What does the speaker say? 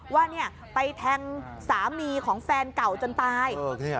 ว่าเนี่ยไปแทงสามีของแฟนเก่าจนตาย